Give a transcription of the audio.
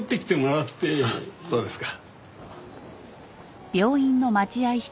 あっそうですか。